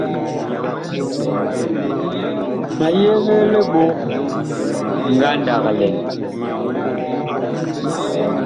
Ma yegee libok ngandag lɛn.